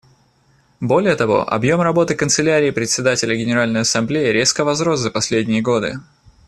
Более того, объем работы Канцелярии Председателя Генеральной Ассамблеи резко возрос за последние годы.